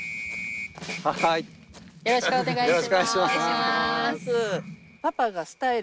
よろしくお願いします。